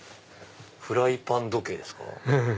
フライパン時計ですか。